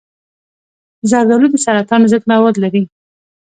زردآلو د سرطان ضد مواد لري.